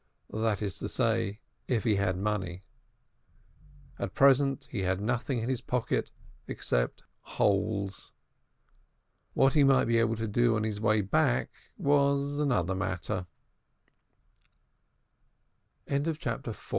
That is to say if he had had money. At present he had nothing in his pocket except holes. What he might be able to do on his way back was another matter; for it was Malka that Moses